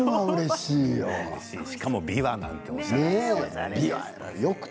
しかも、びわなんておしゃれですよね。